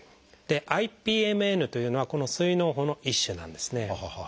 ＩＰＭＮというのはこの膵のう胞の一種なんですね。